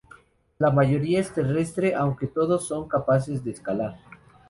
La mayoría es terrestre, aunque todos son capaces de escalar.